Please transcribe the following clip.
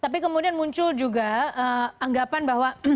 tapi kemudian muncul juga anggapan bahwa